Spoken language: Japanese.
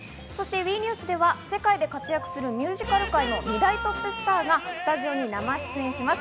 ＷＥニュースでは世界で活躍するミュージカル界の二大トップスターがスタジオに生出演します。